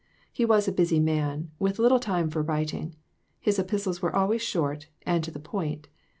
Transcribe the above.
He was a busy man, with little time for writing ; his epistles were always short, and to the point.